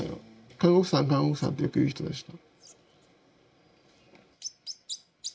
「看護婦さん看護婦さん」ってよく言う人でした。